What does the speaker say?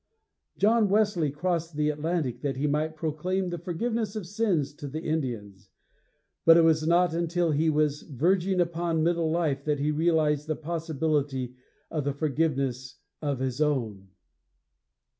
John Wesley crossed the Atlantic that he might proclaim the forgiveness of sins to the Indians; but it was not until he was verging upon middle life that he realized the possibility of the forgiveness of his own.